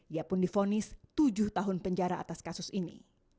ia pun difonis tujuh tahun penjara atas kasus ini